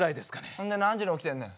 ほんで何時に起きてんねん。